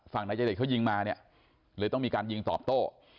ฝั่งนายเจเดชเขายิงมาเนี่ยเลยต้องมีการยิงตอบโต้